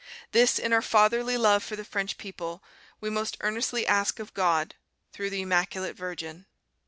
This, in our fatherly love for the French people, we most earnestly ask of God through the Immaculate Virgin."